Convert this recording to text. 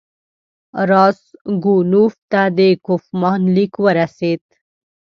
راسګونوف ته د کوفمان لیک ورسېد.